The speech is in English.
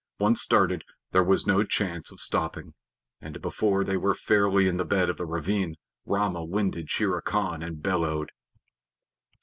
Once started, there was no chance of stopping, and before they were fairly in the bed of the ravine Rama winded Shere Khan and bellowed.